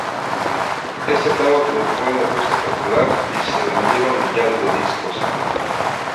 Este tango triunfó en el gusto popular y se vendieron millares de discos.